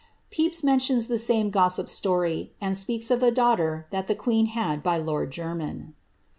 '' Pepys mentions the same j gossip story, and speaks of a daughter that the queen had by kid 1 Jermyn.